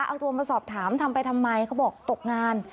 เอาตัวมาสอบถามทำไปทำไมเขาบอกตกงาน